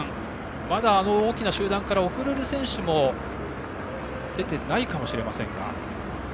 まだそこから遅れる選手も出ていないかもしれません。